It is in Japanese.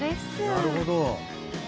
なるほど。